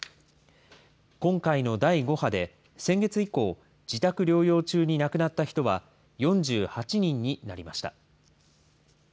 今回の第５波で、先月以降、自宅療養中に亡くなった人は４８人になりました。